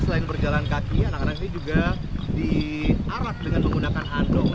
selain berjalan kaki anak anak ini juga diarak dengan menggunakan andong